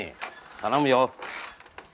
頼むよ。